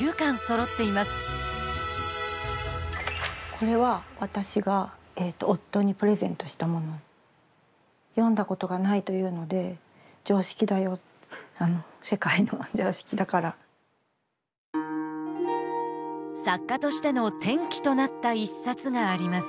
これは「読んだことがない」と言うので「常識だよ」。作家としての転機となった一冊があります。